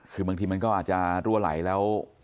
คือบางทีมันก็อาจจะรั่วไหลแล้ว